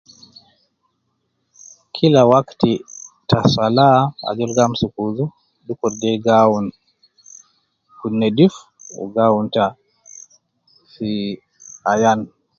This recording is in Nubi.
Kila wakti ta swala ajol gi amsuku wudhu dukur gi awun fi nedif wu gi awun ta fi ayan